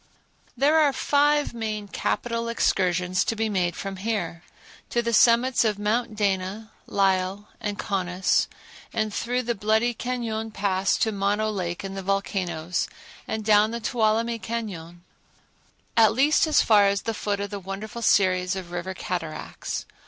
There are five main capital excursions to be made from here—to the summits of Mounts Dana, Lyell and Conness, and through the Bloody Cañon Pass to Mono Lake and the volcanoes, and down the Tuolumne Cañon, at least as far as the foot of the wonderful series of river cataracts.